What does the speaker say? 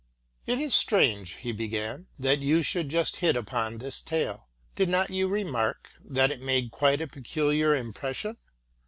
'It is str ange,'' he began, '* that you should just hit upon this tale. Did not you remark that it made quite a peculiar impression : 2'?